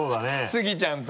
スギちゃんと。